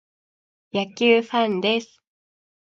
野球ファンです。